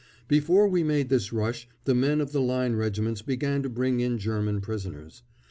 Before we made this rush the men of the Line regiments began to bring in German prisoners.